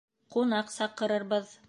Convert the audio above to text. Ҡунаҡ саҡырырбыҙ.